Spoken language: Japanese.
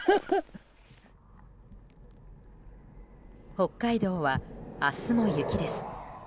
北海道は明日も雪です。